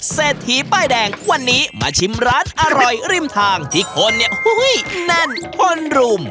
เศรษฐีป้ายแดงวันนี้มาชิมร้านอร่อยริมทางที่คนเนี่ยแน่นคนรุม